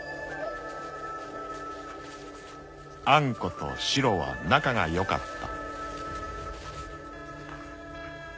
［アンコとシロは仲がよかった］